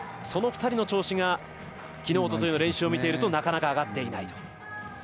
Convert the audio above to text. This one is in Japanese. その２人の調子がきのうおとといの練習を見ているとなかなか、上がっていない。